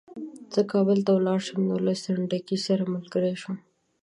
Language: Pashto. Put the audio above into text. زه کابل ته ولاړ شم نو له سنډکي سره ملګری شوم.